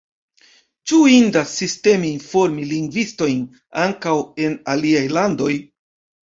Ĉu indas sisteme informi lingvistojn ankaŭ en aliaj landoj?